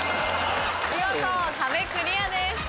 見事壁クリアです。